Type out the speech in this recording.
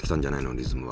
リズムは。